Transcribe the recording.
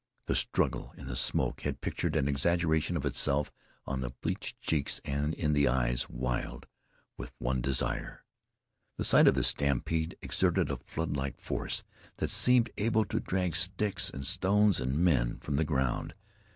The struggle in the smoke had pictured an exaggeration of itself on the bleached cheeks and in the eyes wild with one desire. The sight of this stampede exerted a floodlike force that seemed able to drag sticks and stones and men from the ground.